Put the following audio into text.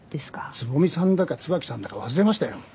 蕾さんだか椿さんだか忘れましたよ